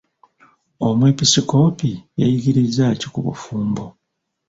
Omwepiskoopi yayigirizza ki ku bufumbo?